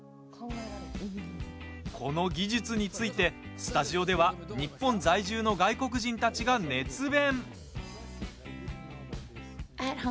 この技術について、スタジオでは日本在住の外国人たちが熱弁！